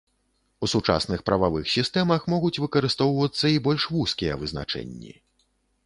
У сучасных прававых сістэмах могуць выкарыстоўвацца і больш вузкія вызначэнні.